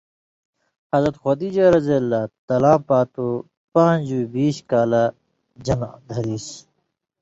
حضرت خدیجہ رض تلاں پاتُو پان٘ژویی بیش کالہ ژن٘دیۡ دھریسیۡ؛